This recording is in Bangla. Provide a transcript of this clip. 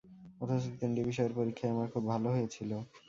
অথচ তিনটি বিষয়ের পরীক্ষাই আমার খুব ভালো হয়েছিল।